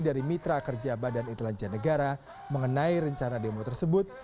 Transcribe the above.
dari mitra kerja badan intelijen negara mengenai rencana demo tersebut